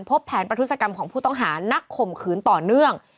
แผนประทุศกรรมของผู้ต้องหานักข่มขืนต่อเนื่อง